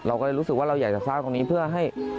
เราก็เลยรู้สึกว่าเราอยากจะสร้างตรงนี้เพื่อให้